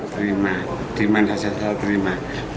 terima terima saya terima